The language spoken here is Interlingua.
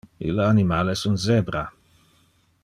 Ille animal es un Zebra.